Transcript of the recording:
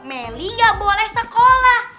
meli gak boleh sekolah